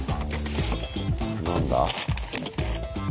何だ？